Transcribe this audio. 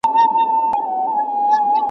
هره شپه به مي کتاب درسره مل وي ,